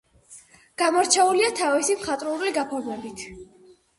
გამორჩეულია თავისი მხატვრული გაფორმებით.